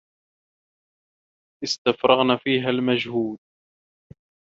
اسْتَفْرَغْنَا فِيهَا الْمَجْهُودَ